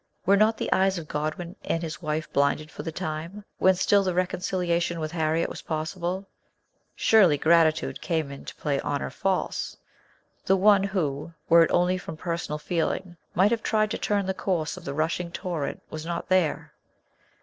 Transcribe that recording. Were not the eyes of Godwin and his wife blinded for the time, when still reconciliation with Harriet was possible? Surely gratitude came in to play honour false. The one who were it only from personal feel 64 MRS. SHELLEY. ing might have tried to turn the course of the rushing torrent was not there.